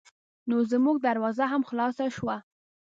نو زمونږ دروازه هم خلاصه شوه.